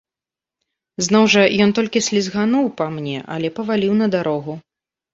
Зноў жа, ён толькі слізгануў па мне, але паваліў на дарогу.